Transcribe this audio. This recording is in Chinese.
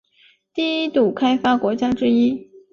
低度开发国家之一。